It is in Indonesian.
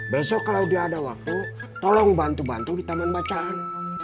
besok kalau dia ada waktu tolong bantu bantu di taman bacaan